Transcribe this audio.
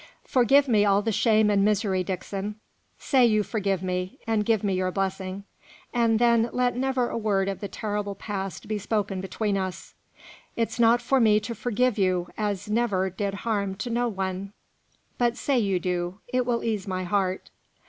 "Forgive me all the shame and misery, Dixon. Say you forgive me; and give me your blessing. And then let never a word of the terrible past be spoken between us." "It's not for me to forgive you, as never did harm to no one " "But say you do it will ease my heart."